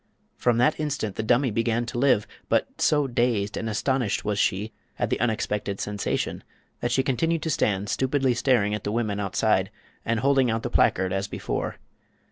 From that instant the dummy began to live, but so dazed and astonished was she at the unexpected sensation that she continued to stand stupidly staring at the women outside and holding out the placard as before.